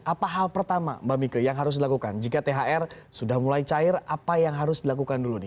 apa hal pertama mbak mika yang harus dilakukan jika thr sudah mulai cair apa yang harus dilakukan dulu nih